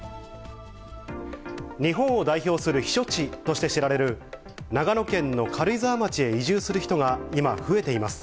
日本を代表する避暑地として知られる、長野県の軽井沢町へ移住する人が今、増えています。